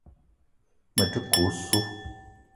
Me ta ke osso.